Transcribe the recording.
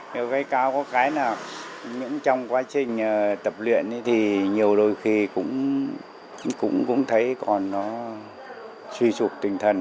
nếu với cao có cái nào những trong quá trình tập luyện thì nhiều đôi khi cũng thấy con nó suy sụp tinh thần